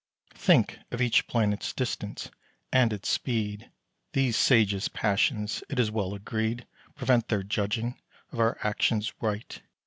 Think of each planet's distance, and its speed; These sage's passions, it is well agreed, Prevent their judging of our actions right.